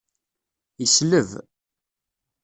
Yesleb.